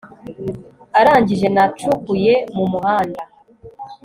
arangije nacukuye mumuhanda